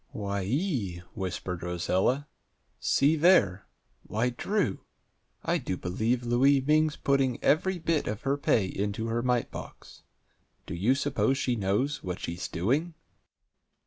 "Why ee!" whispered Rosella. "See there! Why, Drew! I do believe Louie Ming's putting every bit of her pay into her mite box! Do you suppose she knows what she's doing?"